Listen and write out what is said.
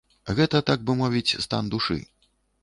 Гэта, так бы мовіць, стан душы.